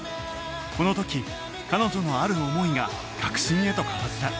この時彼女のある思いが確信へと変わった